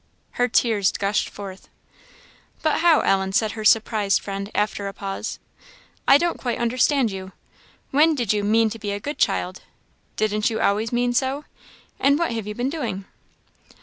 Her tears gushed forth. "But how, Ellen?" said her surprised friend, after a pause. "I don't quite understand you. When did you 'mean to be a good child?' Didn't you always mean so? and what have you been doing?"